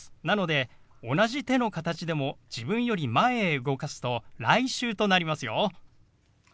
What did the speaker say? なので同じ手の形でも自分より前へ動かすと「来週」となりますよ。